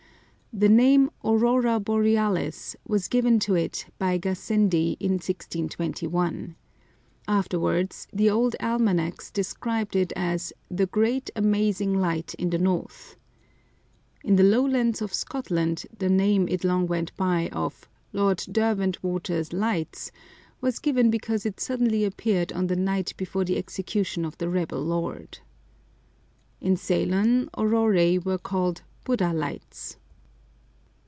The name "Aurora Borealis" was given to it by Gassendi in 1621. Afterwards, the old almanacs described it as the "Great Amazing Light in the North." In the Lowlands of Scotland, the name it long went by, of "Lord Derwentwater's Lights," was given because it suddenly appeared on the night before the execution of the rebel lord. In Ceylon auroræ were called "Buddha Lights."